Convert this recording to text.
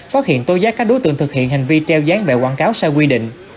phát hiện tô giác các đối tượng thực hiện hành vi treo dáng bèo quảng cáo sai quy định